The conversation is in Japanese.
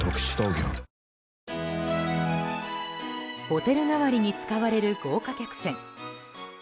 ホテル代わりに使われる豪華客船。